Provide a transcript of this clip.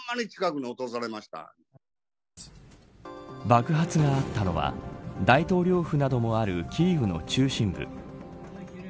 爆発があったのは大統領府などもあるキーウの中心部。